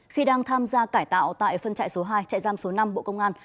khi đang tham gia cải tạo tại phân chạy số hai chạy giam số năm bộ công an